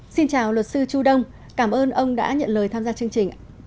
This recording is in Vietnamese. xin chào luật sư chu đông cảm ơn ông đã nhận lời tham gia chương trình